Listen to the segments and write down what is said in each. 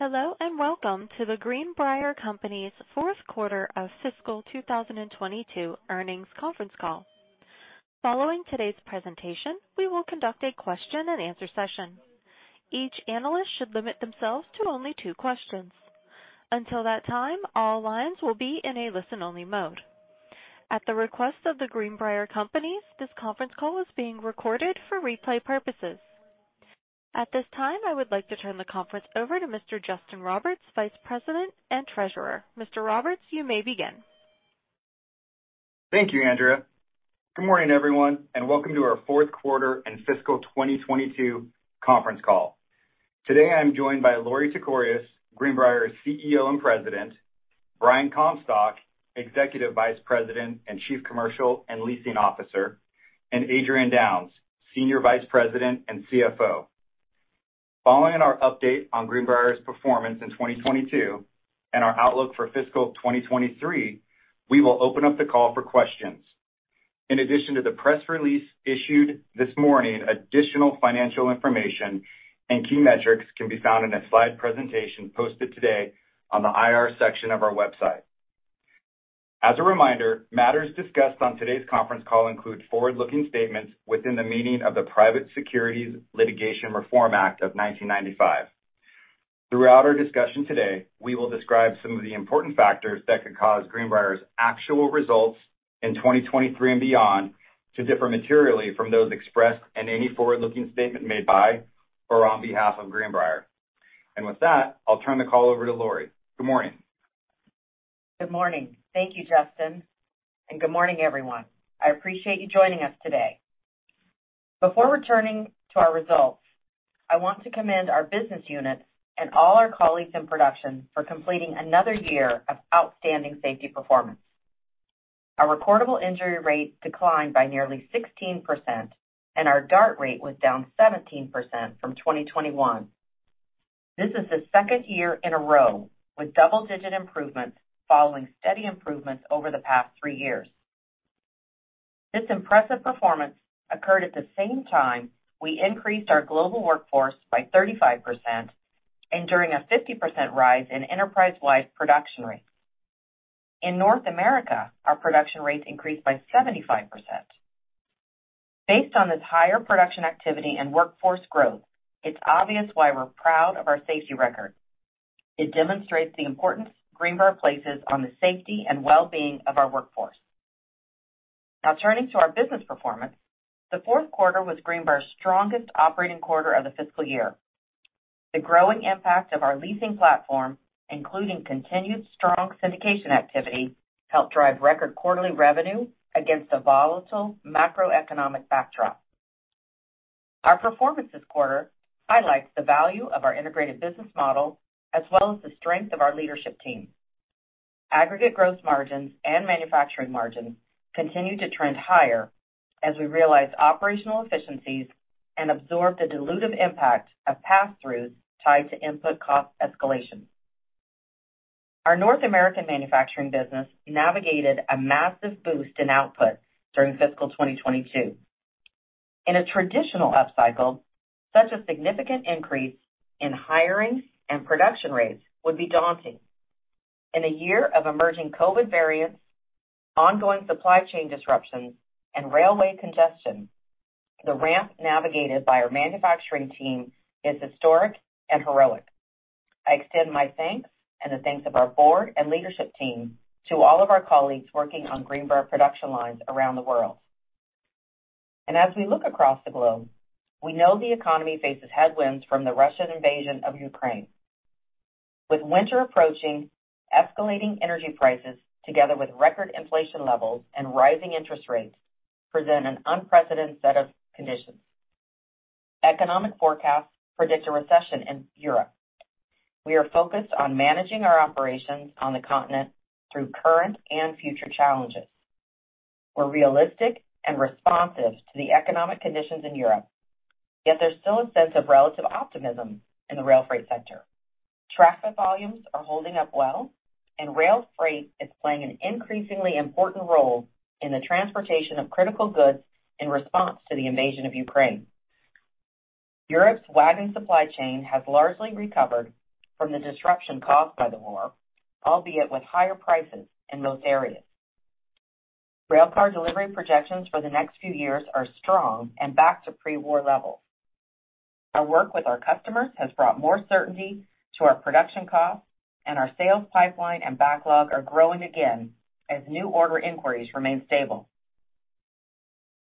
Hello, and welcome to The Greenbrier Companies' fourth quarter of fiscal 2022 earnings conference call. Following today's presentation, we will conduct a question-and-answer session. Each analyst should limit themselves to only two questions. Until that time, all lines will be in a listen-only mode. At the request of The Greenbrier Companies, this conference call is being recorded for replay purposes. At this time, I would like to turn the conference over to Mr. Justin Roberts, Vice President and Treasurer. Mr. Roberts, you may begin. Thank you, Andrea. Good morning, everyone, and welcome to our fourth quarter and fiscal 2022 conference call. Today I am joined by Lorie Tekorius, Greenbrier's CEO and President, Brian Comstock, Executive Vice President and Chief Commercial and Leasing Officer, and Adrian Downes, Senior Vice President and CFO. Following our update on Greenbrier's performance in 2022 and our outlook for fiscal 2023, we will open up the call for questions. In addition to the press release issued this morning, additional financial information and key metrics can be found in a slide presentation posted today on the IR section of our website. As a reminder, matters discussed on today's conference call include forward-looking statements within the meaning of the Private Securities Litigation Reform Act of 1995. Throughout our discussion today, we will describe some of the important factors that could cause Greenbrier's actual results in 2023 and beyond to differ materially from those expressed in any forward-looking statement made by or on behalf of Greenbrier. With that, I'll turn the call over to Lorie. Good morning. Good morning. Thank you, Justin, and good morning, everyone. I appreciate you joining us today. Before returning to our results, I want to commend our business units and all our colleagues in production for completing another year of outstanding safety performance. Our recordable injury rate declined by nearly 16%, and our DART rate was down 17% from 2021. This is the second year in a row with double-digit improvements following steady improvements over the past three years. This impressive performance occurred at the same time we increased our global workforce by 35% and during a 50% rise in enterprise-wide production rates. In North America, our production rates increased by 75%. Based on this higher production activity and workforce growth, it's obvious why we're proud of our safety record. It demonstrates the importance Greenbrier places on the safety and well-being of our workforce. Now turning to our business performance. The fourth quarter was Greenbrier's strongest operating quarter of the fiscal year. The growing impact of our leasing platform, including continued strong syndication activity, helped drive record quarterly revenue against a volatile macroeconomic backdrop. Our performance this quarter highlights the value of our integrated business model as well as the strength of our leadership team. Aggregate gross margins and manufacturing margins continued to trend higher as we realized operational efficiencies and absorbed the dilutive impact of passthroughs tied to input cost escalation. Our North American manufacturing business navigated a massive boost in output during fiscal 2022. In a traditional upcycle, such a significant increase in hiring and production rates would be daunting. In a year of emerging COVID variants, ongoing supply chain disruptions, and railway congestion, the ramp navigated by our manufacturing team is historic and heroic. I extend my thanks and the thanks of our board and leadership team to all of our colleagues working on Greenbrier production lines around the world. As we look across the globe, we know the economy faces headwinds from the Russian invasion of Ukraine. With winter approaching, escalating energy prices together with record inflation levels and rising interest rates present an unprecedented set of conditions. Economic forecasts predict a recession in Europe. We are focused on managing our operations on the continent through current and future challenges. We're realistic and responsive to the economic conditions in Europe, yet there's still a sense of relative optimism in the rail freight sector. Traffic volumes are holding up well, and rail freight is playing an increasingly important role in the transportation of critical goods in response to the invasion of Ukraine. Europe's wagon supply chain has largely recovered from the disruption caused by the war, albeit with higher prices in most areas. Railcar delivery projections for the next few years are strong and back to pre-war levels. Our work with our customers has brought more certainty to our production costs and our sales pipeline and backlog are growing again as new order inquiries remain stable.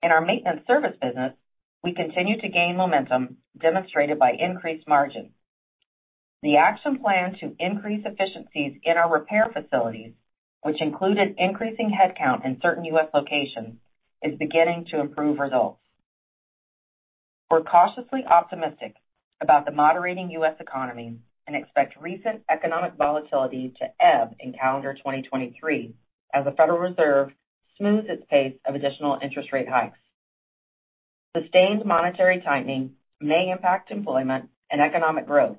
In our maintenance service business, we continue to gain momentum demonstrated by increased margins. The action plan to increase efficiencies in our repair facilities, which included increasing headcount in certain U.S. locations, is beginning to improve results. We're cautiously optimistic about the moderating U.S. economy and expect recent economic volatility to ebb in calendar 2023 as the Federal Reserve smooths its pace of additional interest rate hikes. Sustained monetary tightening may impact employment and economic growth,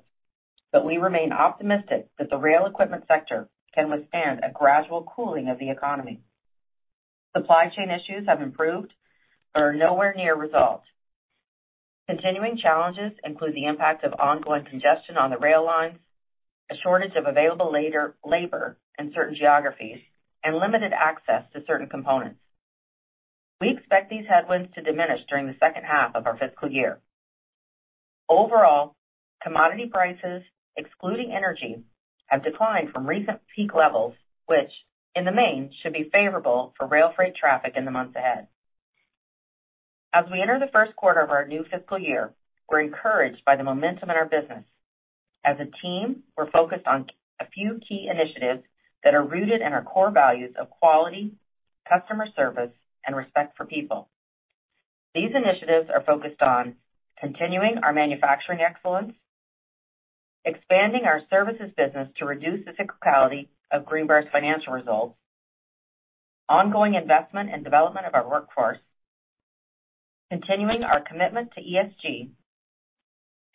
but we remain optimistic that the rail equipment sector can withstand a gradual cooling of the economy. Supply chain issues have improved but are nowhere near resolved. Continuing challenges include the impact of ongoing congestion on the rail lines, a shortage of available labor in certain geographies, and limited access to certain components. We expect these headwinds to diminish during the second half of our fiscal year. Overall, commodity prices, excluding energy, have declined from recent peak levels, which in the main, should be favorable for rail freight traffic in the months ahead. As we enter the first quarter of our new fiscal year, we're encouraged by the momentum in our business. As a team, we're focused on a few key initiatives that are rooted in our core values of quality, customer service, and respect for people. These initiatives are focused on continuing our manufacturing excellence, expanding our services business to reduce the cyclicality of Greenbrier's financial results, ongoing investment and development of our workforce, continuing our commitment to ESG,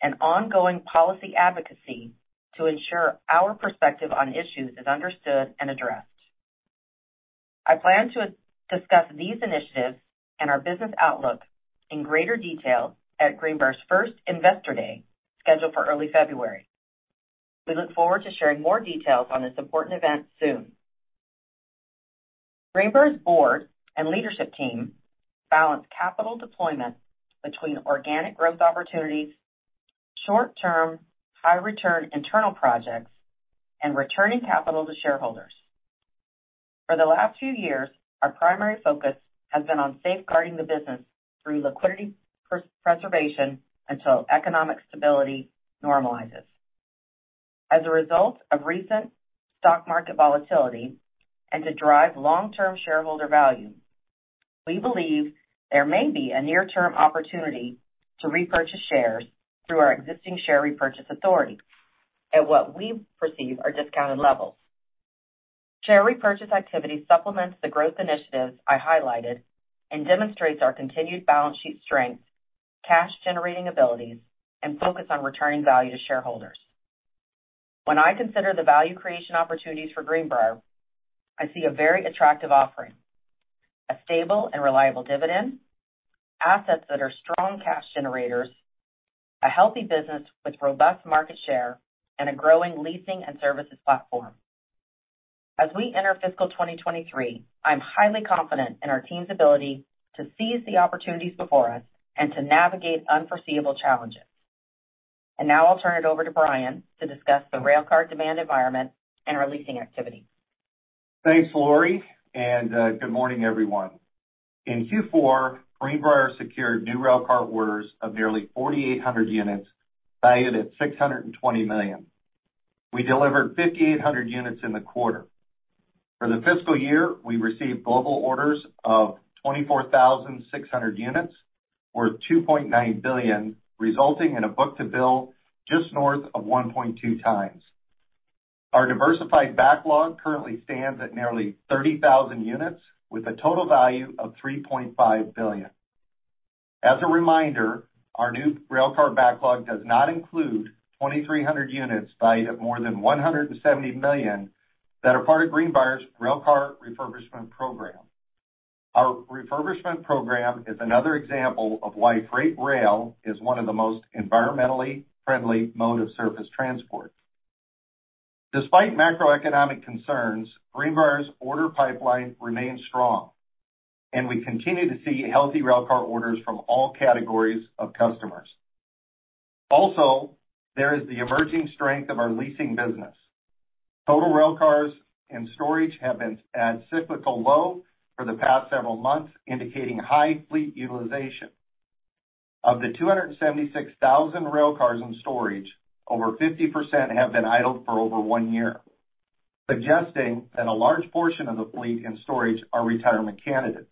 and ongoing policy advocacy to ensure our perspective on issues is understood and addressed. I plan to discuss these initiatives and our business outlook in greater detail at Greenbrier's first Investor Day, scheduled for early February. We look forward to sharing more details on this important event soon. Greenbrier's board and leadership team balance capital deployment between organic growth opportunities, short-term, high-return internal projects, and returning capital to shareholders. For the last two years, our primary focus has been on safeguarding the business through liquidity preservation until economic stability normalizes. As a result of recent stock market volatility and to drive long-term shareholder value, we believe there may be a near-term opportunity to repurchase shares through our existing share repurchase authority at what we perceive are discounted levels. Share repurchase activity supplements the growth initiatives I highlighted and demonstrates our continued balance sheet strength, cash-generating abilities, and focus on returning value to shareholders. When I consider the value creation opportunities for Greenbrier, I see a very attractive offering, a stable and reliable dividend, assets that are strong cash generators, a healthy business with robust market share, and a growing leasing and services platform. As we enter fiscal 2023, I'm highly confident in our team's ability to seize the opportunities before us and to navigate unforeseeable challenges. Now I'll turn it over to Brian to discuss the railcar demand environment and our leasing activity. Thanks, Lorie, and, good morning, everyone. In Q4, Greenbrier secured new railcar orders of nearly 4,800 units valued at $620 million. We delivered 5,800 units in the quarter. For the fiscal year, we received global orders of 24,600 units, or $2.9 billion, resulting in a book-to-bill just north of 1.2x. Our diversified backlog currently stands at nearly 30,000 units with a total value of $3.5 billion. As a reminder, our new railcar backlog does not include 2,300 units valued at more than $170 million that are part of Greenbrier's Railcar Refurbishment Program. Our refurbishment program is another example of why freight rail is one of the most environmentally friendly mode of surface transport. Despite macroeconomic concerns, Greenbrier's order pipeline remains strong, and we continue to see healthy railcar orders from all categories of customers. Also, there is the emerging strength of our leasing business. Total railcars in storage have been at cyclical low for the past several months, indicating high fleet utilization. Of the 276,000 railcars in storage, over 50% have been idled for over one year, suggesting that a large portion of the fleet in storage are retirement candidates.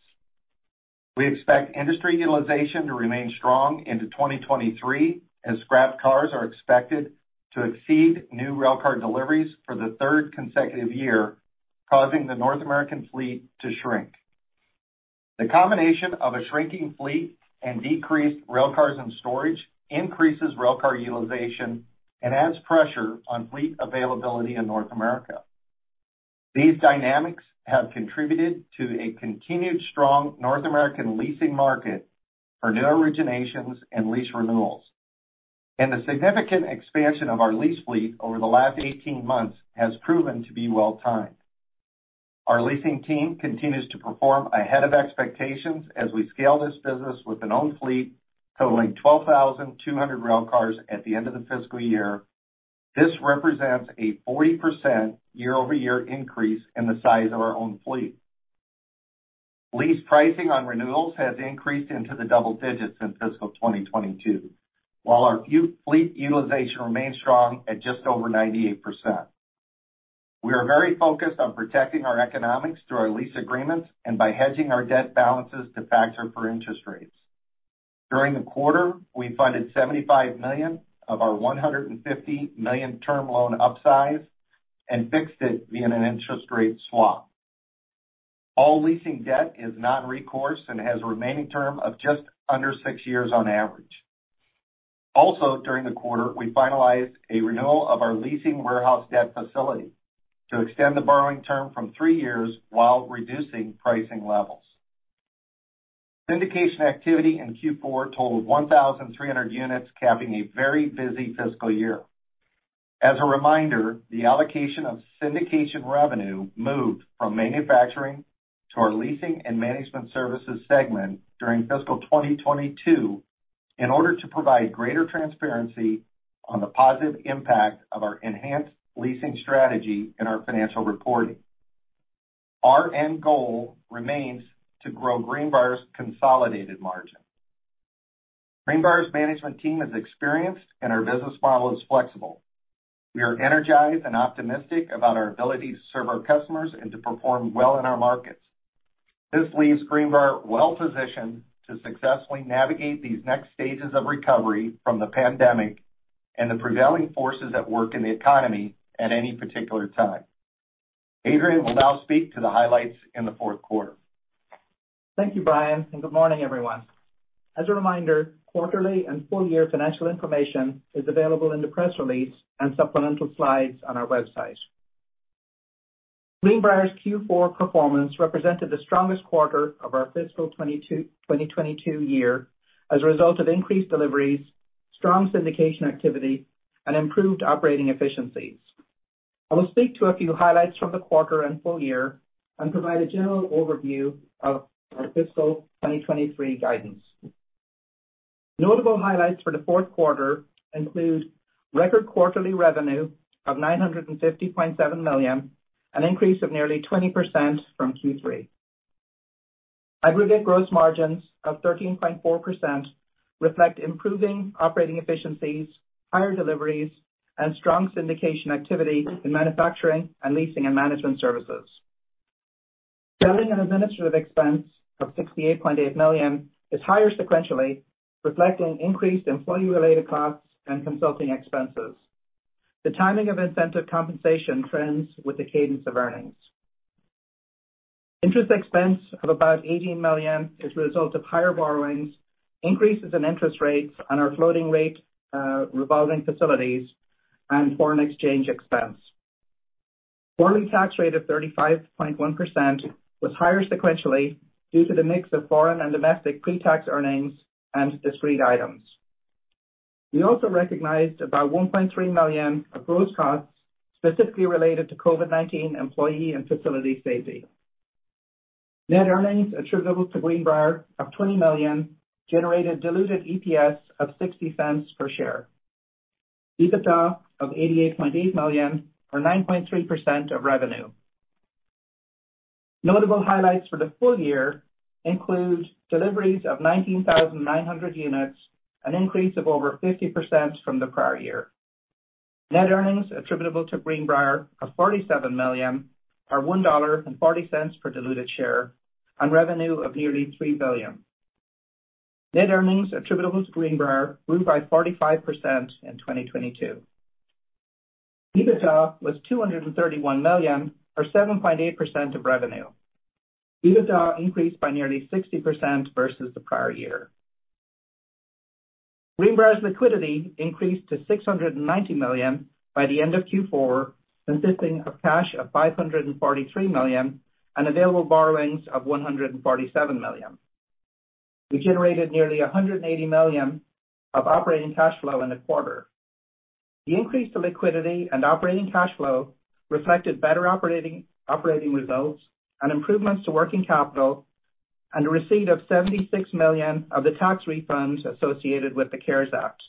We expect industry utilization to remain strong into 2023, as scrap cars are expected to exceed new railcar deliveries for the third consecutive year, causing the North American fleet to shrink. The combination of a shrinking fleet and decreased railcars in storage increases railcar utilization and adds pressure on fleet availability in North America. These dynamics have contributed to a continued strong North American leasing market for new originations and lease renewals. The significant expansion of our lease fleet over the last 18 months has proven to be well-timed. Our leasing team continues to perform ahead of expectations as we scale this business with an owned fleet totaling 12,200 railcars at the end of the fiscal year. This represents a 40% year-over-year increase in the size of our own fleet. Lease pricing on renewals has increased into the double digits since fiscal 2022, while our fleet utilization remains strong at just over 98%. We are very focused on protecting our economics through our lease agreements and by hedging our debt balances to factor for interest rates. During the quarter, we funded $75 million of our $150 million term loan upsize and fixed it via an interest rate swap. All leasing debt is non-recourse and has a remaining term of just under six years on average. Also during the quarter, we finalized a renewal of our leasing warehouse debt facility to extend the borrowing term from three years while reducing pricing levels. Syndication activity in Q4 totaled 1,300 units, capping a very busy fiscal year. As a reminder, the allocation of syndication revenue moved from manufacturing to our leasing and management services segment during fiscal 2022 in order to provide greater transparency on the positive impact of our enhanced leasing strategy in our financial reporting. Our end goal remains to grow Greenbrier's consolidated margin. Greenbrier's management team is experienced, and our business model is flexible. We are energized and optimistic about our ability to serve our customers and to perform well in our markets. This leaves Greenbrier well-positioned to successfully navigate these next stages of recovery from the pandemic and the prevailing forces at work in the economy at any particular time. Adrian will now speak to the highlights in the fourth quarter. Thank you, Brian, and good morning, everyone. As a reminder, quarterly and full-year financial information is available in the press release and supplemental slides on our website. Greenbrier's Q4 performance represented the strongest quarter of our fiscal 2022 year as a result of increased deliveries, strong syndication activity, and improved operating efficiencies. I will speak to a few highlights from the quarter and full-year and provide a general overview of our fiscal 2023 guidance. Notable highlights for the fourth quarter include record quarterly revenue of $950.7 million, an increase of nearly 20% from Q3. Aggregate gross margins of 13.4% reflect improving operating efficiencies, higher deliveries, and strong syndication activity in manufacturing and leasing and management services. Selling and administrative expense of $68.8 million is higher sequentially, reflecting increased employee-related costs and consulting expenses. The timing of incentive compensation trends with the cadence of earnings. Interest expense of about $18 million is a result of higher borrowings, increases in interest rates on our floating rate revolving facilities, and foreign exchange expense. Foreign tax rate of 35.1% was higher sequentially due to the mix of foreign and domestic pretax earnings and discrete items. We also recognized about $1.3 million of gross costs specifically related to COVID-19 employee and facility safety. Net earnings attributable to Greenbrier of $20 million generated diluted EPS of $0.60 per share. EBITDA of $88.8 million or 9.3% of revenue. Notable highlights for the full-year include deliveries of 19,900 units, an increase of over 50% from the prior year. Net earnings attributable to Greenbrier of $47 million or $1.40 per diluted share on revenue of nearly $3 billion. Net earnings attributable to Greenbrier grew by 45% in 2022. EBITDA was $231 million or 7.8% of revenue. EBITDA increased by nearly 60% versus the prior year. Greenbrier's liquidity increased to $690 million by the end of Q4, consisting of cash of $543 million and available borrowings of $147 million. We generated nearly $180 million of operating cash flow in the quarter. The increase to liquidity and operating cash flow reflected better operating results and improvements to working capital and a receipt of $76 million of the tax refunds associated with the CARES Act.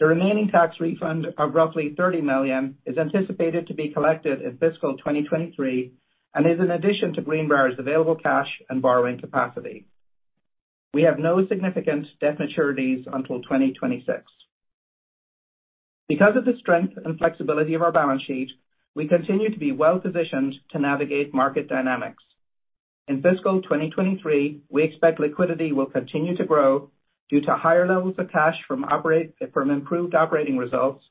The remaining tax refund of roughly $30 million is anticipated to be collected in fiscal 2023 and is an addition to Greenbrier's available cash and borrowing capacity. We have no significant debt maturities until 2026. Because of the strength and flexibility of our balance sheet, we continue to be well-positioned to navigate market dynamics. In fiscal 2023, we expect liquidity will continue to grow due to higher levels of cash from improved operating results,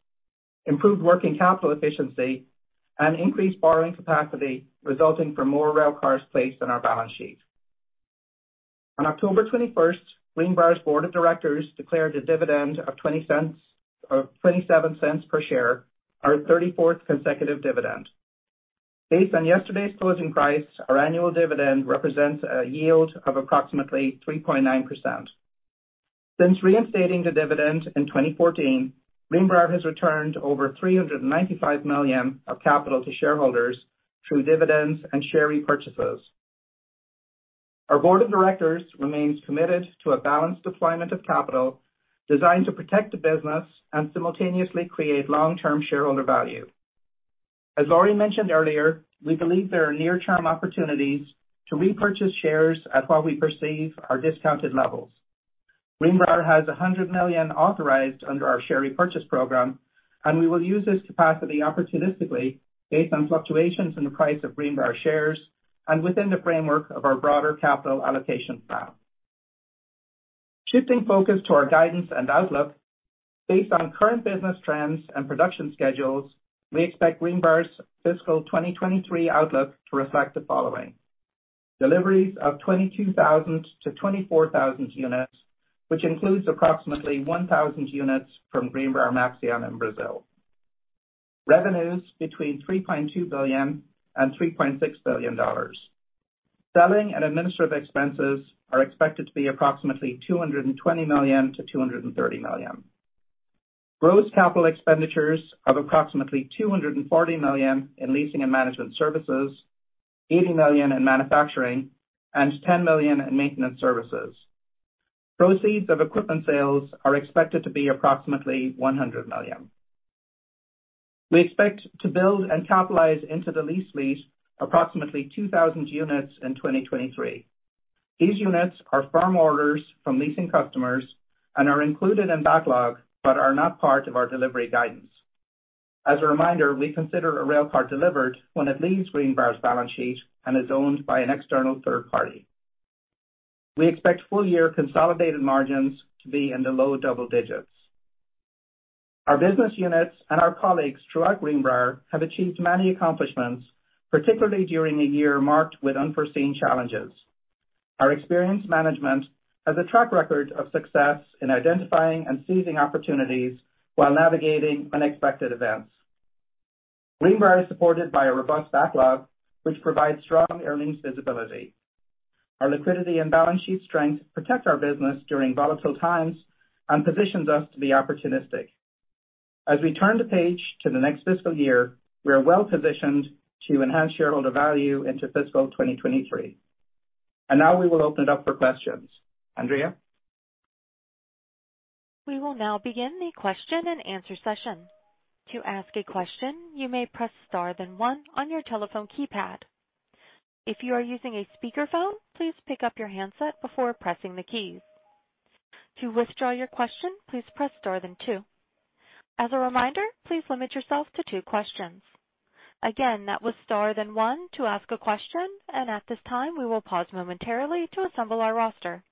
improved working capital efficiency, and increased borrowing capacity, resulting from more railcars placed on our balance sheet. On October 21, Greenbrier's board of directors declared a dividend of $0.27 per share, our 34th consecutive dividend. Based on yesterday's closing price, our annual dividend represents a yield of approximately 3.9%. Since reinstating the dividend in 2014, Greenbrier has returned over $395 million of capital to shareholders through dividends and share repurchases. Our board of directors remains committed to a balanced deployment of capital designed to protect the business and simultaneously create long-term shareholder value. As Lorie mentioned earlier, we believe there are near-term opportunities to repurchase shares at what we perceive are discounted levels. Greenbrier has $100 million authorized under our share repurchase program, and we will use this capacity opportunistically based on fluctuations in the price of Greenbrier shares and within the framework of our broader capital allocation plan. Shifting focus to our guidance and outlook, based on current business trends and production schedules, we expect Greenbrier's fiscal 2023 outlook to reflect the following. Deliveries of 22,000-24,000 units, which includes approximately 1,000 units from Greenbrier Maxion in Brazil. Revenues between $3.2 billion-$3.6 billion. Selling and administrative expenses are expected to be approximately $220 million-$230 million. Gross capital expenditures of approximately $240 million in leasing and management services, $80 million in manufacturing, and $10 million in maintenance services. Proceeds of equipment sales are expected to be approximately $100 million. We expect to build and capitalize into the lease fleet approximately 2,000 units in 2023. These units are firm orders from leasing customers and are included in backlog but are not part of our delivery guidance. As a reminder, we consider a railcar delivered when it leaves Greenbrier's balance sheet and is owned by an external third party. We expect full-year consolidated margins to be in the low double digits. Our business units and our colleagues throughout Greenbrier have achieved many accomplishments, particularly during a year marked with unforeseen challenges. Our experienced management has a track record of success in identifying and seizing opportunities while navigating unexpected events. Greenbrier is supported by a robust backlog, which provides strong earnings visibility. Our liquidity and balance sheet strength protect our business during volatile times and positions us to be opportunistic. As we turn the page to the next fiscal year, we are well positioned to enhance shareholder value into fiscal 2023. Now we will open it up for questions. Andrea? We will now begin the question-and-answer session. To ask a question, you may press star then one on your telephone keypad. If you are using a speakerphone, please pick up your handset before pressing the keys. To withdraw your question, please press star then two. As a reminder, please limit yourself to two questions. Again, that was star then one to ask a question, and at this time, we will pause momentarily to assemble our roster.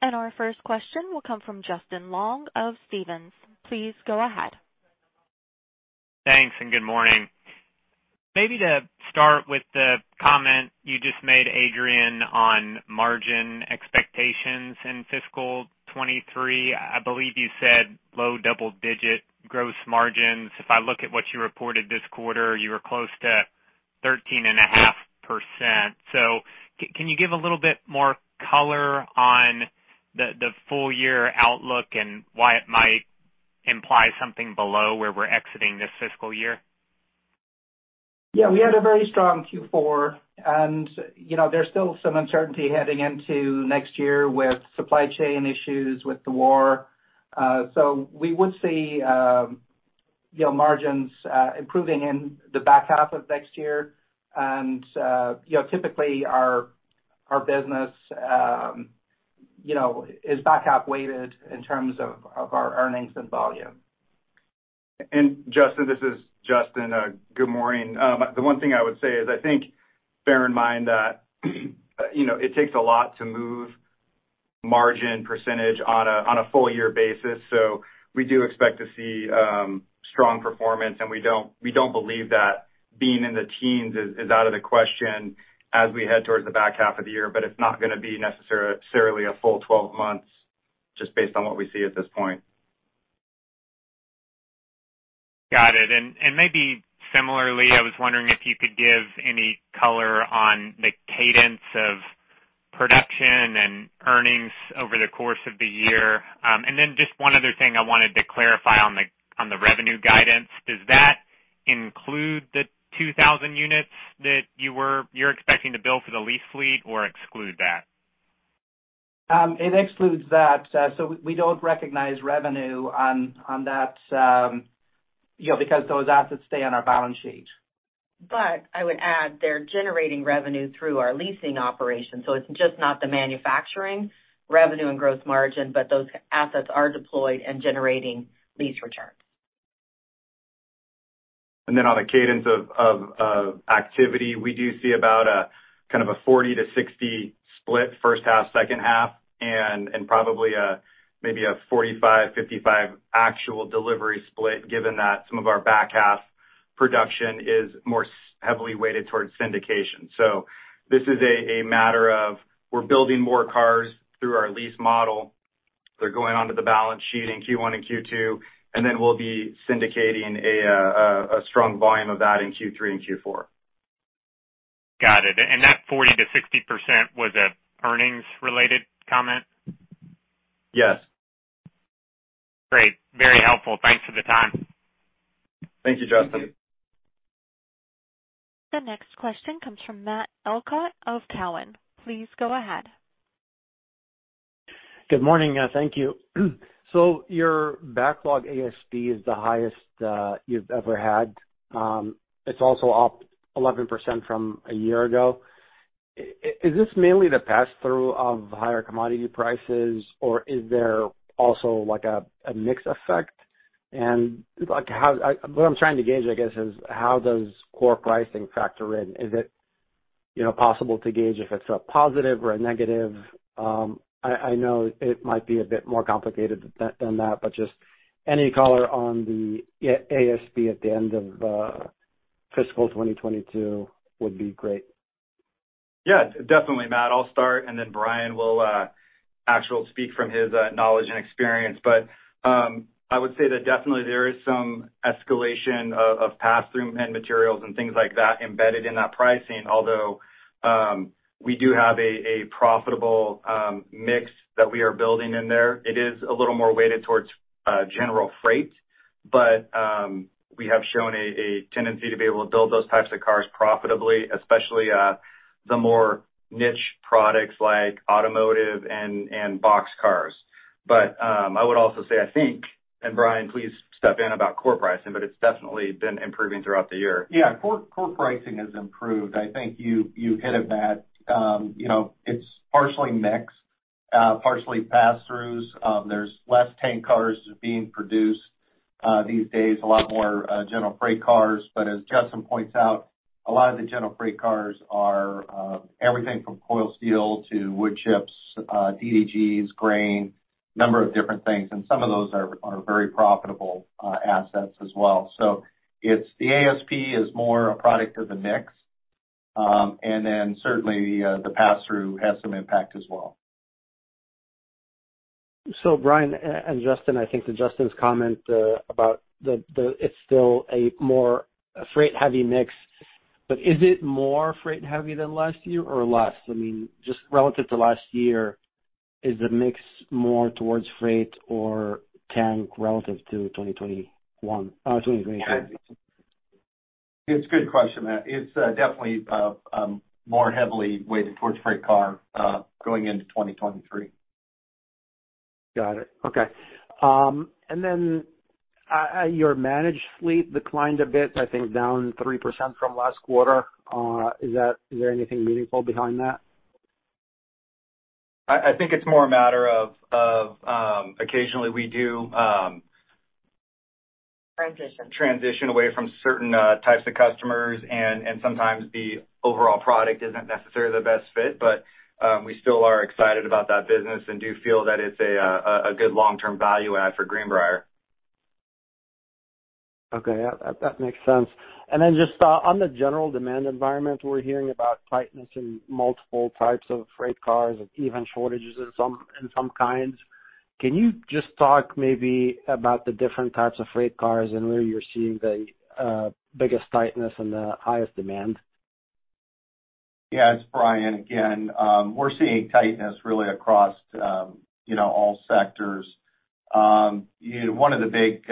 Our first question will come from Justin Long of Stephens. Please go ahead. Thanks, and good morning. Maybe to start with the comment you just made, Adrian, on margin expectations in fiscal 2023, I believe you said low double-digit gross margins. If I look at what you reported this quarter, you were close to 13.5%. Can you give a little bit more color on the full-year outlook and why it might imply something below where we're exiting this fiscal year? Yeah, we had a very strong Q4 and, you know, there's still some uncertainty heading into next year with supply chain issues, with the war. We would see, you know, margins improving in the back half of next year. You know, typically our business, you know, is back half weighted in terms of our earnings and volume. Justin, this is Justin. Good morning. The one thing I would say is, I think bear in mind that, you know, it takes a lot to move margin percentage on a full-year basis. We do expect to see strong performance, and we don't believe that being in the teens is out of the question as we head towards the back half of the year, but it's not gonna be necessarily a full 12 months just based on what we see at this point. Got it. Maybe similarly, I was wondering if you could give any color on the cadence of production and earnings over the course of the year. Just one other thing I wanted to clarify on the revenue guidance, does that include the 2,000 units that you're expecting to bill for the lease fleet or exclude that? It excludes that. We don't recognize revenue on that, you know, because those assets stay on our balance sheet. I would add they're generating revenue through our leasing operations, so it's just not the manufacturing revenue and gross margin, but those assets are deployed and generating lease returns. On the cadence of activity, we do see about a kind of 40-60 split first half, second half and probably maybe a 45-55 actual delivery split given that some of our back half production is more heavily weighted towards syndication. This is a matter of we're building more cars through our lease model. They're going onto the balance sheet in Q1 and Q2, and then we'll be syndicating a strong volume of that in Q3 and Q4. Got it. That 40%-60%, was that earnings-related comment? Yes. Great. Very helpful. Thanks for the time. Thank you, Justin. The next question comes from Matt Elkott of Cowen. Please go ahead. Good morning. Thank you. Your backlog ASP is the highest you've ever had. It's also up 11% from a year ago. Is this mainly the pass-through of higher commodity prices, or is there also, like, a mix effect? What I'm trying to gauge, I guess, is how does core pricing factor in? Is it, you know, possible to gauge if it's a positive or a negative. I know it might be a bit more complicated than that, but just any color on the ASP at the end of fiscal 2022 would be great. Yeah, definitely, Matt. I'll start, and then Brian will actually speak from his knowledge and experience. I would say that definitely there is some escalation of pass-through and materials and things like that embedded in that pricing. Although, we do have a profitable mix that we are building in there. It is a little more weighted towards general freight, but we have shown a tendency to be able to build those types of cars profitably, especially the more niche products like automotive and boxcars. I would also say, I think, and Brian, please step in about core pricing, but it's definitely been improving throughout the year. Yeah. Core pricing has improved. I think you hit it, Matt. You know, it's partially mix, partially pass-throughs. There's less tank cars being produced these days, a lot more general freight cars. As Justin points out, a lot of the general freight cars are everything from coil steel to wood chips, DDGs, grain, number of different things, and some of those are very profitable assets as well. The ASP is more a product of the mix. Then certainly the pass-through has some impact as well. Brian and Justin, I think to Justin's comment, about it's still a more freight heavy mix, but is it more freight heavy than last year or less? I mean, just relative to last year, is the mix more towards freight or tank relative to 2021, 2023? It's a good question, Matt. It's definitely more heavily weighted towards freight car going into 2023. Got it. Okay. Your managed fleet declined a bit, I think down 3% from last quarter. Is there anything meaningful behind that? I think it's more a matter of occasionally we do. Transition. Transition away from certain types of customers and sometimes the overall product isn't necessarily the best fit. We still are excited about that business and do feel that it's a good long-term value add for Greenbrier. Okay. Yeah, that makes sense. Just on the general demand environment, we're hearing about tightness in multiple types of freight cars and even shortages in some kinds. Can you just talk maybe about the different types of freight cars and where you're seeing the biggest tightness and the highest demand? Yeah, it's Brian again. We're seeing tightness really across, you know, all sectors. One of the big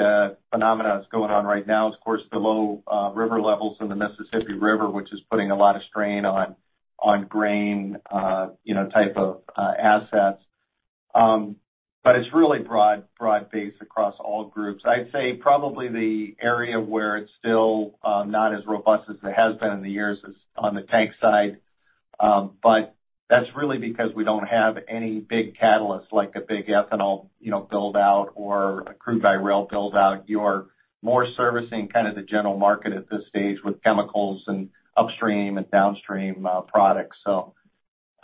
phenomena going on right now is, of course, the low river levels in the Mississippi River, which is putting a lot of strain on grain, you know, type of assets. It's really broad-based across all groups. I'd say probably the area where it's still not as robust as it has been in the years is on the tank side. That's really because we don't have any big catalysts like a big ethanol, you know, build out or a crude by rail build out. You're more servicing kind of the general market at this stage with chemicals and upstream and downstream products.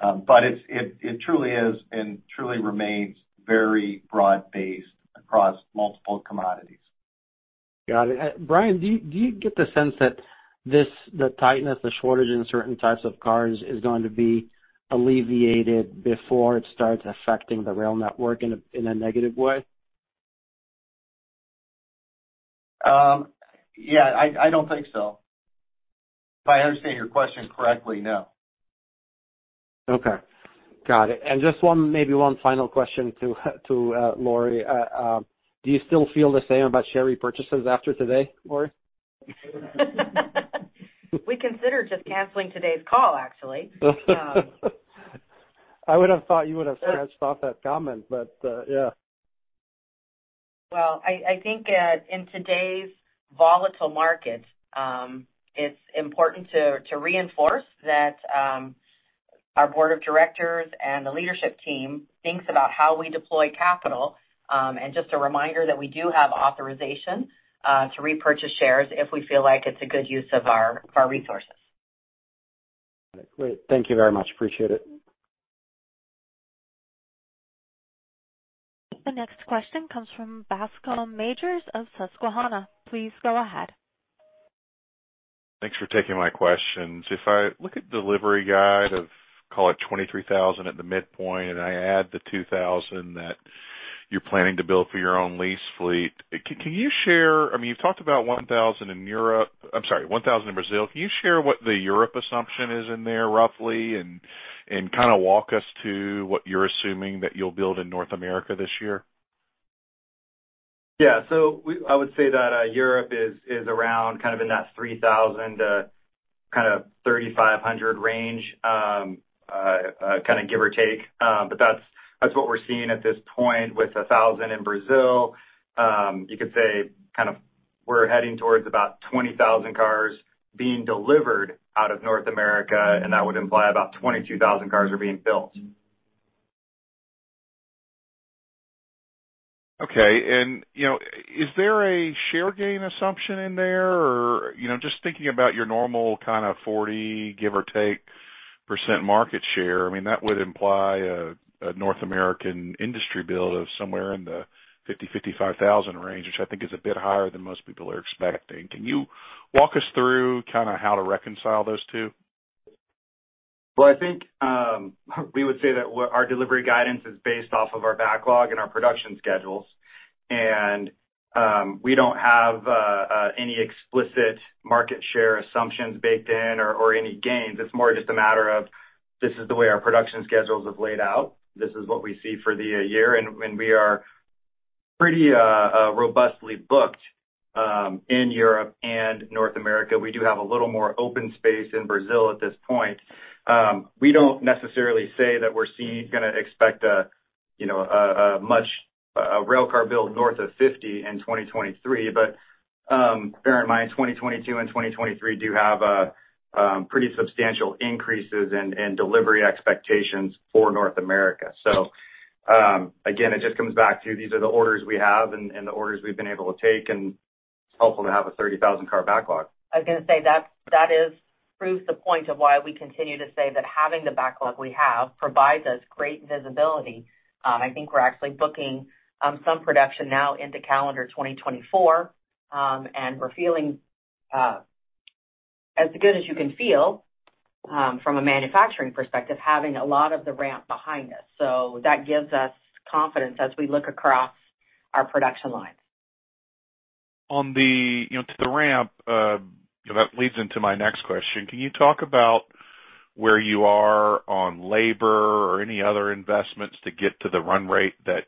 It truly is and truly remains very broad-based across multiple commodities. Got it. Brian, do you get the sense that this, the tightness, the shortage in certain types of cars is going to be alleviated before it starts affecting the rail network in a negative way? Yeah, I don't think so. If I understand your question correctly, no. Okay. Got it. Just one, maybe one final question to Lorie. Do you still feel the same about share repurchases after today, Lorie? We considered just canceling today's call, actually. I would have thought you would have scratched off that comment, but, yeah. Well, I think in today's volatile market, it's important to reinforce that our board of directors and the leadership team thinks about how we deploy capital. Just a reminder that we do have authorization to repurchase shares if we feel like it's a good use of our resources. Great. Thank you very much. Appreciate it. The next question comes from Bascom Majors of Susquehanna. Please go ahead. Thanks for taking my questions. If I look at delivery guidance of, call it 23,000 at the midpoint, and I add the 2,000 that you're planning to build for your own lease fleet, can you share? I mean, you've talked about 1,000 in Europe. I'm sorry, 1,000 in Brazil. Can you share what the Europe assumption is in there, roughly, and kind of walk us through what you're assuming that you'll build in North America this year? I would say that Europe is around kind of in that 3,000-3,500 range, give or take. But that's what we're seeing at this point with 1,000 in Brazil. You could say we're heading towards about 20,000 cars being delivered out of North America, and that would imply about 22,000 cars are being built. Okay. You know, is there a share gain assumption in there or, you know, just thinking about your normal kind of 40, give or take, percentage market share, I mean, that would imply a North American industry build of somewhere in the 50,000-55,000 range, which I think is a bit higher than most people are expecting. Can you walk us through kind of how to reconcile those two? Well, I think we would say that what our delivery guidance is based off of our backlog and our production schedules. We don't have any explicit market share assumptions baked in or any gains. It's more just a matter of this is the way our production schedules have laid out. This is what we see for the year, and we are pretty robustly booked in Europe and North America. We do have a little more open space in Brazil at this point. We don't necessarily say that we're gonna expect a, you know, a much railcar build north of 50 in 2023. Bear in mind, 2022 and 2023 do have pretty substantial increases and delivery expectations for North America. Again, it just comes back to these are the orders we have and the orders we've been able to take, and it's helpful to have a 30,000 car backlog. I was gonna say that proves the point of why we continue to say that having the backlog we have provides us great visibility. I think we're actually booking some production now into calendar 2024. We're feeling as good as you can feel from a manufacturing perspective, having a lot of the ramp behind us. That gives us confidence as we look across our production lines. On the ramp, you know, that leads into my next question. Can you talk about where you are on labor or any other investments to get to the run rate that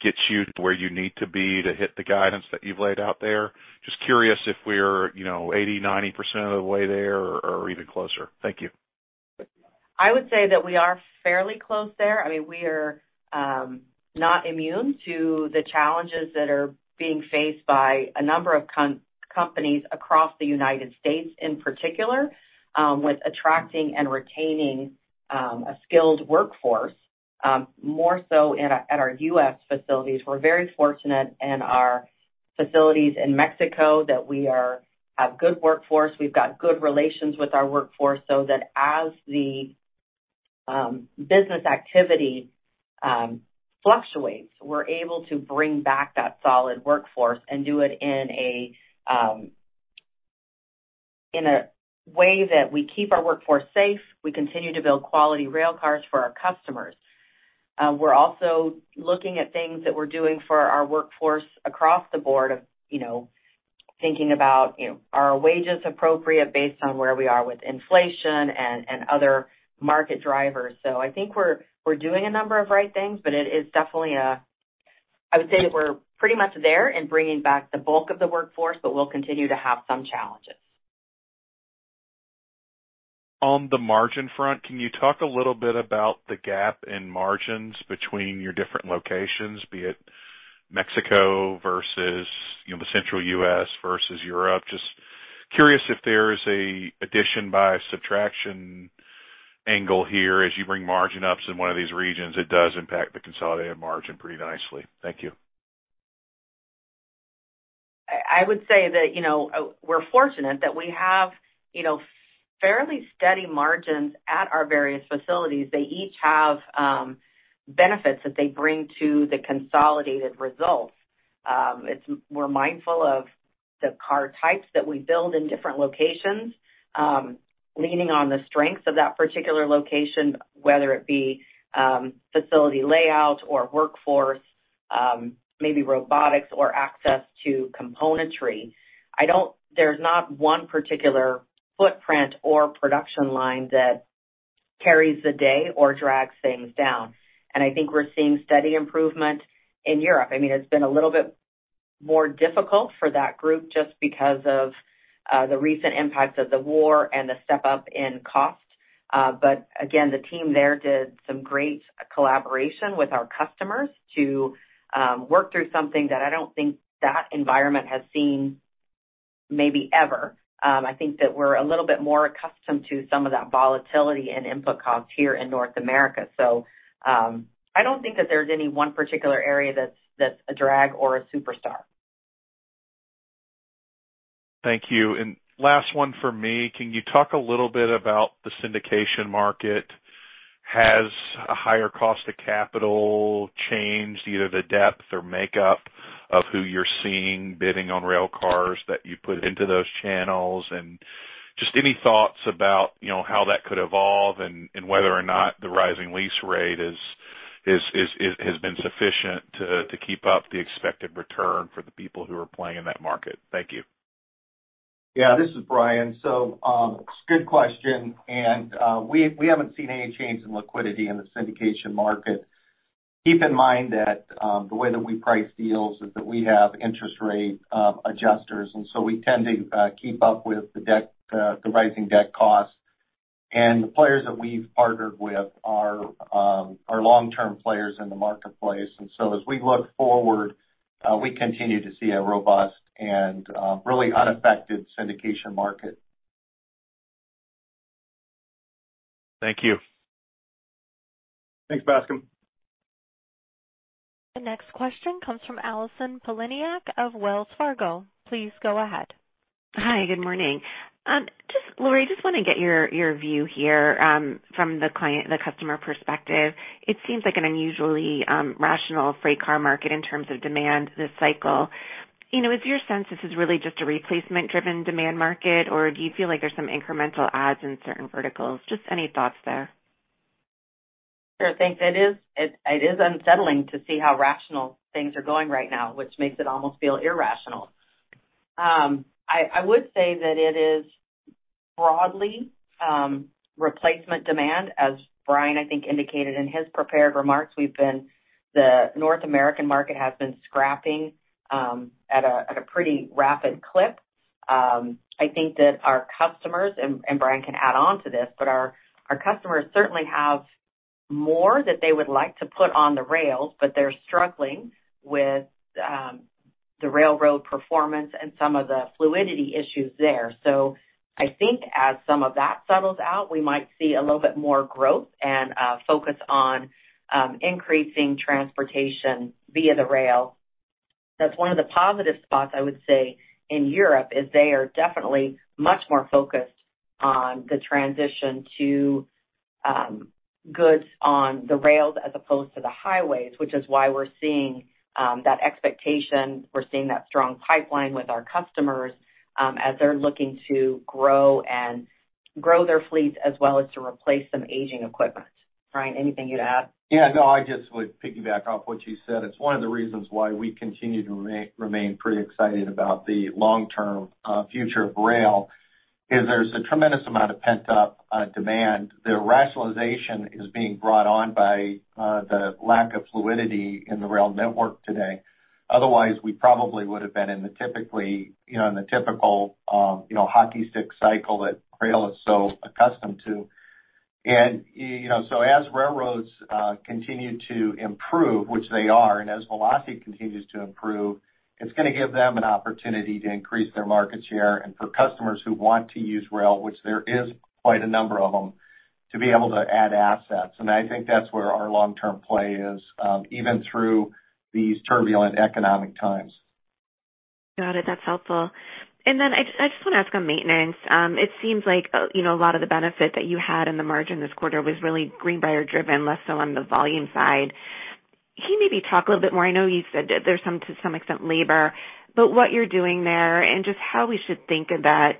gets you to where you need to be to hit the guidance that you've laid out there? Just curious if we're, you know, 80%, 90% of the way there or even closer. Thank you. I would say that we are fairly close there. I mean, we are not immune to the challenges that are being faced by a number of companies across the United States in particular with attracting and retaining a skilled workforce, more so at our U.S. facilities. We're very fortunate in our facilities in Mexico that we have good workforce. We've got good relations with our workforce, so that as the business activity fluctuates, we're able to bring back that solid workforce and do it in a way that we keep our workforce safe. We continue to build quality railcars for our customers. We're also looking at things that we're doing for our workforce across the board of, you know, thinking about, you know, are our wages appropriate based on where we are with inflation and other market drivers. I think we're doing a number of right things, but it is definitely. I would say that we're pretty much there in bringing back the bulk of the workforce, but we'll continue to have some challenges. On the margin front, can you talk a little bit about the gap in margins between your different locations, be it Mexico versus, you know, the central U.S. versus Europe? Just curious if there's an addition by subtraction angle here as you bring margins up in one of these regions, it does impact the consolidated margin pretty nicely. Thank you. I would say that, you know, we're fortunate that we have, you know, fairly steady margins at our various facilities. They each have benefits that they bring to the consolidated results. We're mindful of the car types that we build in different locations, leaning on the strengths of that particular location, whether it be facility layout or workforce, maybe robotics or access to componentry. There's not one particular footprint or production line that carries the day or drags things down. I think we're seeing steady improvement in Europe. I mean, it's been a little bit more difficult for that group just because of the recent impacts of the war and the step-up in cost. Again, the team there did some great collaboration with our customers to work through something that I don't think that environment has seen maybe ever. I think that we're a little bit more accustomed to some of that volatility in input costs here in North America. I don't think that there's any one particular area that's a drag or a superstar. Thank you. Last one for me. Can you talk a little bit about the syndication market? Has a higher cost of capital changed either the depth or makeup of who you're seeing bidding on railcars that you put into those channels? Just any thoughts about, you know, how that could evolve and whether or not the rising lease rate has been sufficient to keep up the expected return for the people who are playing in that market. Thank you. Yeah. This is Brian. Good question. We haven't seen any change in liquidity in the syndication market. Keep in mind that the way that we price deals is that we have interest rate adjusters, and so we tend to keep up with the debt, the rising debt costs. The players that we've partnered with are long-term players in the marketplace. As we look forward, we continue to see a robust and really unaffected syndication market. Thank you. Thanks, Bascom. The next question comes from Allison Poliniak of Wells Fargo. Please go ahead. Hi, good morning. Lorie, just wanna get your view here, from the customer perspective. It seems like an unusually rational freight car market in terms of demand this cycle. You know, is your sense this is really just a replacement driven demand market, or do you feel like there's some incremental adds in certain verticals? Just any thoughts there. I think it is unsettling to see how rational things are going right now, which makes it almost feel irrational. I would say that it is broadly replacement demand. As Brian, I think, indicated in his prepared remarks, the North American market has been scrapping at a pretty rapid clip. I think that our customers, and Brian can add on to this, but our customers certainly have more that they would like to put on the rails, but they're struggling with the railroad performance and some of the fluidity issues there. I think as some of that settles out, we might see a little bit more growth and focus on increasing transportation via the rail. That's one of the positive spots I would say in Europe, is they are definitely much more focused on the transition to goods on the rails as opposed to the highways, which is why we're seeing that expectation. We're seeing that strong pipeline with our customers as they're looking to grow and grow their fleets, as well as to replace some aging equipment. Brian, anything you'd add? Yeah, no, I just would piggyback off what you said. It's one of the reasons why we continue to remain pretty excited about the long-term future of rail, is there's a tremendous amount of pent-up demand. The rationalization is being brought on by the lack of fluidity in the rail network today. Otherwise, we probably would have been in the typically, you know, in the typical, you know, hockey stick cycle that rail is so accustomed to. You know, so as railroads continue to improve, which they are, and as velocity continues to improve, it's gonna give them an opportunity to increase their market share. For customers who want to use rail, which there is quite a number of them, to be able to add assets. I think that's where our long-term play is, even through these turbulent economic times. Got it. That's helpful. I just wanna ask on maintenance. It seems like you know a lot of the benefit that you had in the margin this quarter was really Greenbrier driven, less so on the volume side. Can you maybe talk a little bit more? I know you said that there's some to some extent labor, but what you're doing there and just how we should think of that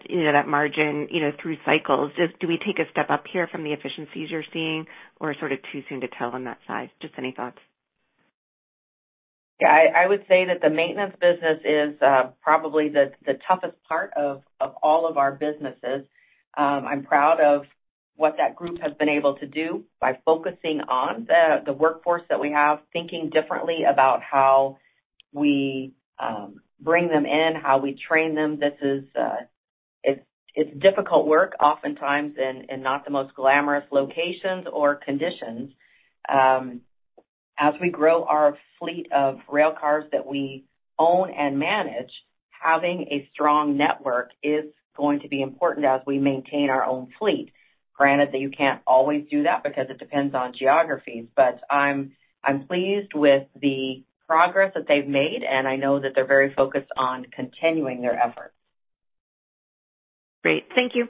margin through cycles. Just do we take a step up here from the efficiencies you're seeing or sort of too soon to tell on that side? Just any thoughts. Yeah. I would say that the maintenance business is probably the toughest part of all of our businesses. I'm proud of what that group has been able to do by focusing on the workforce that we have, thinking differently about how we bring them in, how we train them. This is difficult work oftentimes and not the most glamorous locations or conditions. As we grow our fleet of rail cars that we own and manage, having a strong network is going to be important as we maintain our own fleet. Granted that you can't always do that because it depends on geographies, but I'm pleased with the progress that they've made, and I know that they're very focused on continuing their efforts. Great. Thank you.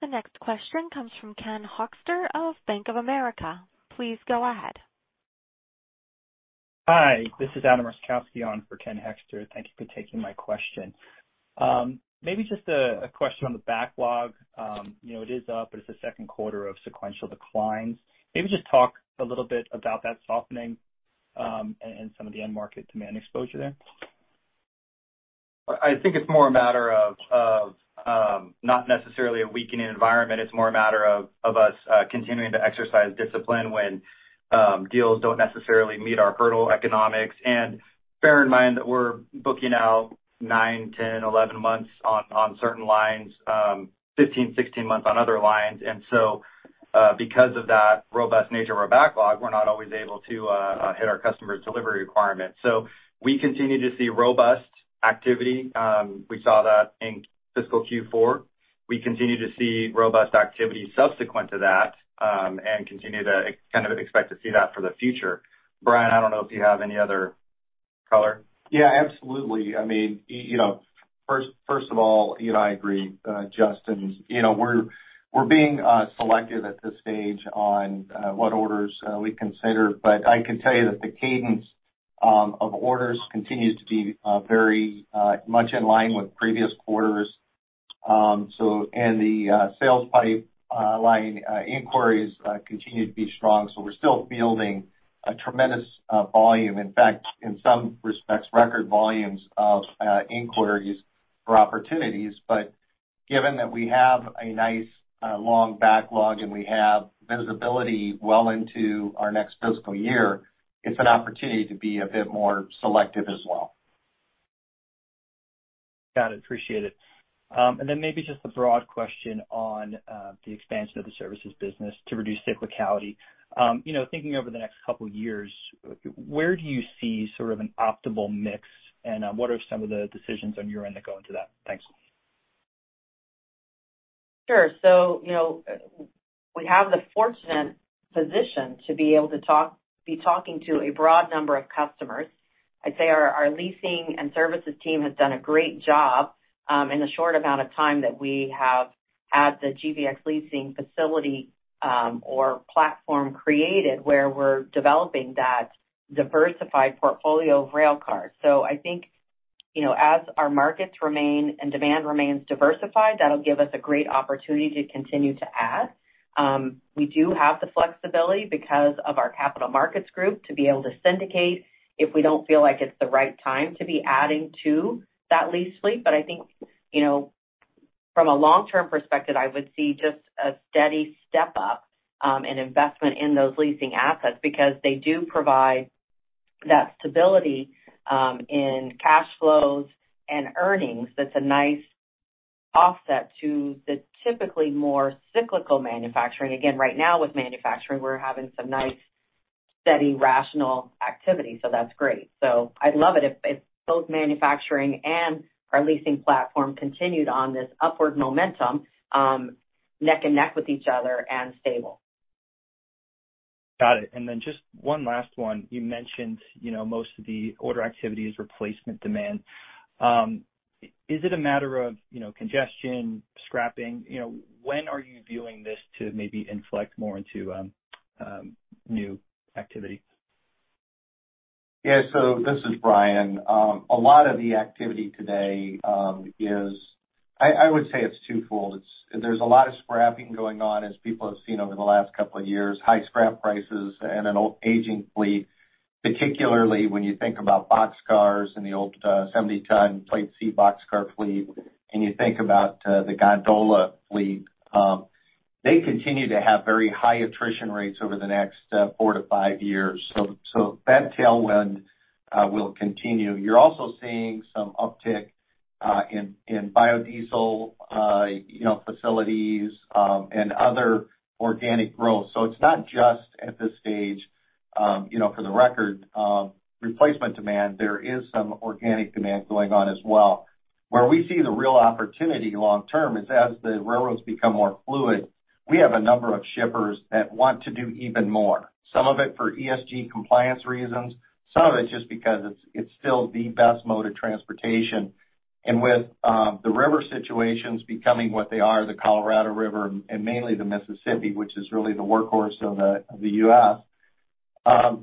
The next question comes from Ken Hoexter of Bank of America. Please go ahead. Hi, this is Adam Roszkowski on for Ken Hoexter. Thank you for taking my question. Maybe just a question on the backlog. You know, it is up, but it's the second quarter of sequential declines. Maybe just talk a little bit about that softening, and some of the end market demand exposure there. I think it's more a matter of not necessarily a weakening environment. It's more a matter of us continuing to exercise discipline when deals don't necessarily meet our hurdle economics. Bear in mind that we're booking out nine, 10, 11 months on certain lines, 15, 16 months on other lines. Because of that robust nature of our backlog, we're not always able to hit our customers' delivery requirements. We continue to see robust activity. We saw that in fiscal Q4. We continue to see robust activity subsequent to that and continue to kind of expect to see that for the future. Brian, I don't know if you have any other color. Yeah, absolutely. I mean, you know, first of all, you know, I agree, Justin. You know, we're being selective at this stage on what orders we consider. I can tell you that the cadence of orders continues to be very much in line with previous quarters. The sales pipeline inquiries continue to be strong, so we're still fielding a tremendous volume. In fact, in some respects, record volumes of inquiries for opportunities. Given that we have a nice long backlog and we have visibility well into our next fiscal year, it's an opportunity to be a bit more selective as well. Got it. Appreciate it. Maybe just a broad question on the expansion of the services business to reduce cyclicality. You know, thinking over the next couple years, where do you see sort of an optimal mix, and what are some of the decisions on your end that go into that? Thanks. Sure. You know, we have the fortunate position to be able to be talking to a broad number of customers. I'd say our leasing and services team has done a great job, in the short amount of time that we have had the GBX Leasing facility, or platform created where we're developing that diversified portfolio of railcars. I think, you know, as our markets remain and demand remains diversified, that'll give us a great opportunity to continue to add. We do have the flexibility because of our capital markets group to be able to syndicate if we don't feel like it's the right time to be adding to that lease fleet. I think, you know, from a long-term perspective, I would see just a steady step up and investment in those leasing assets because they do provide that stability in cash flows and earnings. That's a nice offset to the typically more cyclical manufacturing. Again, right now with manufacturing, we're having some nice steady, rational activity, so that's great. I'd love it if both manufacturing and our leasing platform continued on this upward momentum, neck and neck with each other and stable. Got it. Just one last one. You mentioned, you know, most of the order activity is replacement demand. Is it a matter of, you know, congestion, scrapping? You know, when are you viewing this to maybe inflect more into new activity? Yeah. This is Brian. A lot of the activity today is. I would say it's twofold. It's. There's a lot of scrapping going on, as people have seen over the last couple of years, high scrap prices and an old aging fleet, particularly when you think about boxcars and the old 70-ton Plate C boxcar fleet, and you think about the gondola fleet. They continue to have very high attrition rates over the next four to five years. That tailwind will continue. You're also seeing some uptick in biodiesel, you know, facilities and other organic growth. It's not just at this stage, you know, for the record, replacement demand. There is some organic demand going on as well. Where we see the real opportunity long term is as the railroads become more fluid, we have a number of shippers that want to do even more, some of it for ESG compliance reasons, some of it just because it's still the best mode of transportation. With the river situations becoming what they are, the Colorado River and mainly the Mississippi, which is really the workhorse of the U.S.,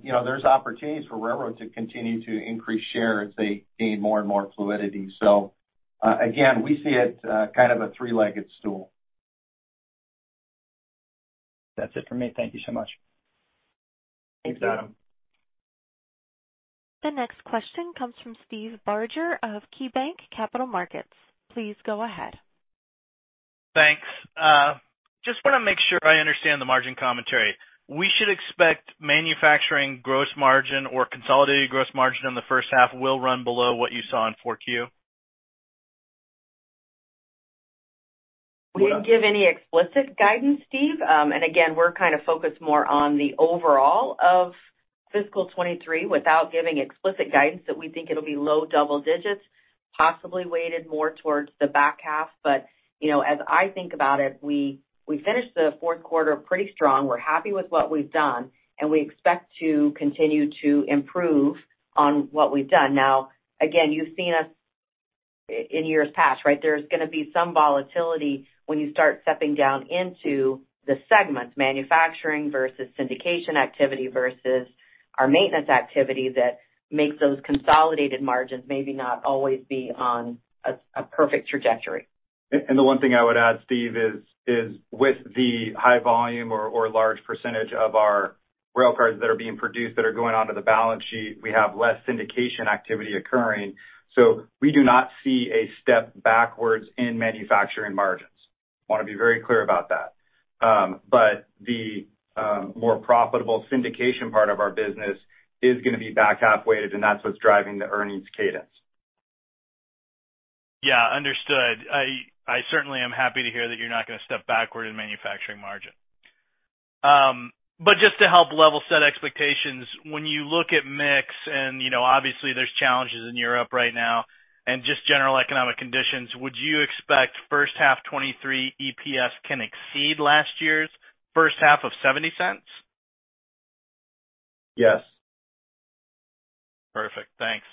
you know, there's opportunities for railroad to continue to increase share as they gain more and more fluidity. Again, we see it kind of a three-legged stool. That's it for me. Thank you so much. Thanks, Adam. Thanks. The next question comes from Steve Barger of KeyBanc Capital Markets. Please go ahead. Thanks. Just wanna make sure I understand the margin commentary. We should expect manufacturing gross margin or consolidated gross margin in the first half will run below what you saw in 4Q? We didn't give any explicit guidance, Steve. We're kind of focused more on the overall of fiscal 2023 without giving explicit guidance that we think it'll be low double digits, possibly weighted more towards the back half. You know, as I think about it, we finished the fourth quarter pretty strong. We're happy with what we've done, and we expect to continue to improve on what we've done. Now, again, you've seen us in years past, right? There's gonna be some volatility when you start stepping down into the segments, manufacturing versus syndication activity versus our maintenance activity that makes those consolidated margins maybe not always be on a perfect trajectory. The one thing I would add, Steve, is with the high volume or large percentage of our railcars that are being produced that are going onto the balance sheet, we have less syndication activity occurring, so we do not see a step backwards in manufacturing margins. Wanna be very clear about that. The more profitable syndication part of our business is gonna be back half weighted, and that's what's driving the earnings cadence. Yeah. Understood. I certainly am happy to hear that you're not gonna step backward in manufacturing margin. Just to help level set expectations, when you look at mix and, you know, obviously there's challenges in Europe right now and just general economic conditions, would you expect first half 2023 EPS can exceed last year's first half of $0.70? Yes. Perfect. Thanks.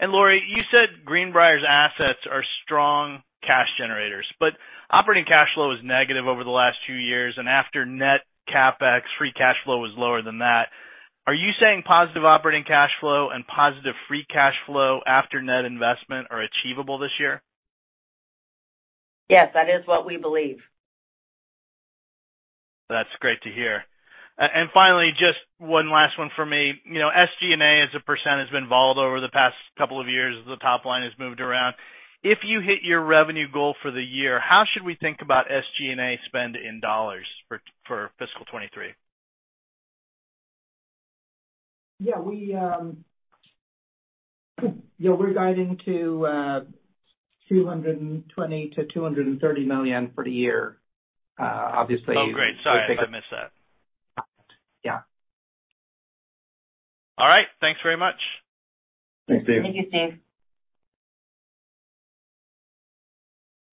Lorie, you said Greenbrier's assets are strong cash generators, but operating cash flow was negative over the last two years, and after net CapEx, free cash flow was lower than that. Are you saying positive operating cash flow and positive free cash flow after net investment are achievable this year? Yes. That is what we believe. That's great to hear. Finally, just one last one for me. You know, SG&A, as a percent, has been volatile over the past couple of years as the top line has moved around. If you hit your revenue goal for the year, how should we think about SG&A spend in dollars for fiscal 2023? Yeah. We, you know, we're guiding to $220 million-$230 million for the year. Obviously. Oh, great. Sorry, I missed that. Yeah. Thanks very much. Thanks, Steve. Thank you, Steve.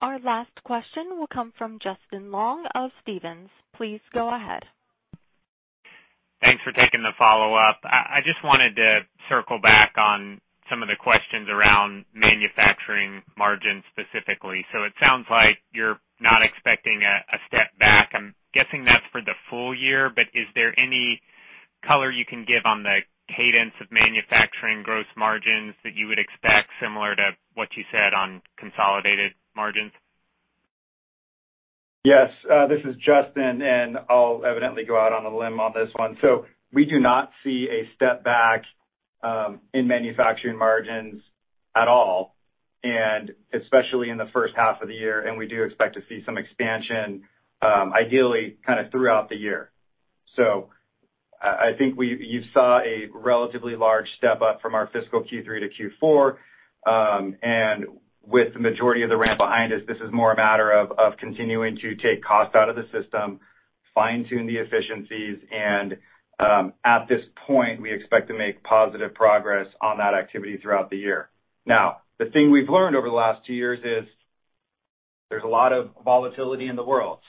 Our last question will come from Justin Long of Stephens. Please go ahead. Thanks for taking the follow-up. I just wanted to circle back on some of the questions around manufacturing margins specifically. It sounds like you're not expecting a step back. I'm guessing that's for the full-year, but is there any color you can give on the cadence of manufacturing gross margins that you would expect similar to what you said on consolidated margins? Yes. This is Justin, and I'll evidently go out on a limb on this one. We do not see a step back in manufacturing margins at all, and especially in the first half of the year, and we do expect to see some expansion, ideally kinda throughout the year. I think you saw a relatively large step up from our fiscal Q3-Q4. With the majority of the ramp behind us, this is more a matter of continuing to take cost out of the system, fine-tune the efficiencies, and at this point, we expect to make positive progress on that activity throughout the year. Now, the thing we've learned over the last two years is there's a lot of volatility in the world.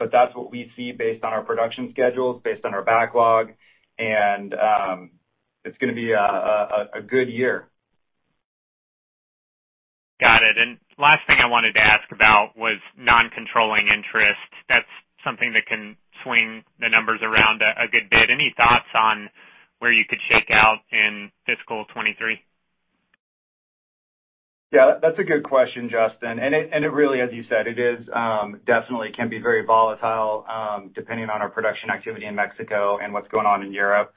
That's what we see based on our production schedules, based on our backlog, and it's gonna be a good year. Got it. Last thing I wanted to ask about was non-controlling interest. That's something that can swing the numbers around a good bit. Any thoughts on where you could shake out in fiscal 2023? Yeah, that's a good question, Justin. It really, as you said, definitely can be very volatile, depending on our production activity in Mexico and what's going on in Europe.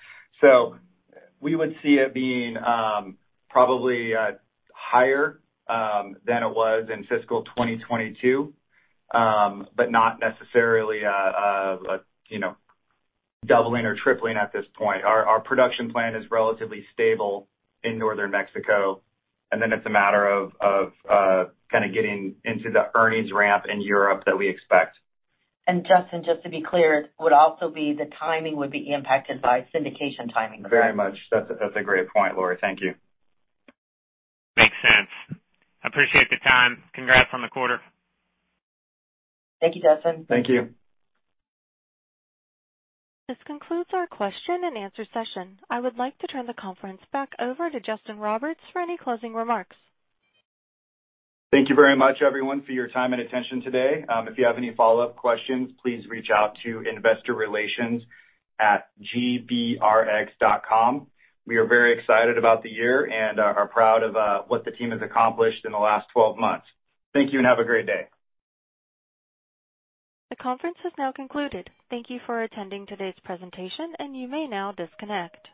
We would see it being probably higher than it was in fiscal 2022, but not necessarily, you know, doubling or tripling at this point. Our production plan is relatively stable in Northern Mexico, and then it's a matter of kinda getting into the earnings ramp in Europe that we expect. Justin, just to be clear, it would also be the timing impacted by syndication timing. Very much. That's a great point, Lorie. Thank you. Makes sense. I appreciate the time. Congrats on the quarter. Thank you, Justin. Thank you. This concludes our question-and-answer session. I would like to turn the conference back over to Justin Roberts for any closing remarks. Thank you very much, everyone, for your time and attention today. If you have any follow-up questions, please reach out to investor.relations@gbrx.com. We are very excited about the year and are proud of what the team has accomplished in the last 12 months. Thank you, and have a great day. The conference has now concluded. Thank you for attending today's presentation, and you may now disconnect.